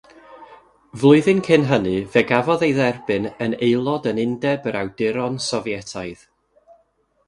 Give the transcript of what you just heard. Flwyddyn cyn hynny, fe gafodd ei dderbyn yn aelod yn Undeb yr Awduron Sofietaidd.